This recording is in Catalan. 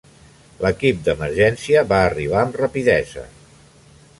L'equip d'emergència va arribar amb rapidesa.